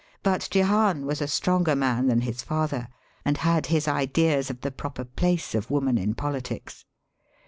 But Jehan Was a stronger man than his father, and had his ideas of the proper place of woman in politics.